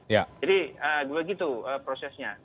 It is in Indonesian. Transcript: jadi begitu prosesnya